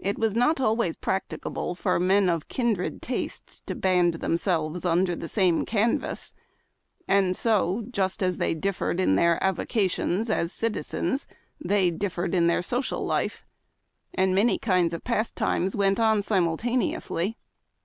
It was not alwaj^s practicable for men of kindred tastes to band themselves under the same canvas, and so just as they differed in their avocations as citizens, they differed "in their social life, and many kinds of pastimes went on simultaneously.